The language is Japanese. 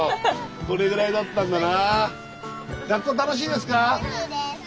これぐらいだったんだな。